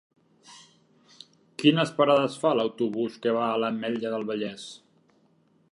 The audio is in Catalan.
Quines parades fa l'autobús que va a l'Ametlla del Vallès?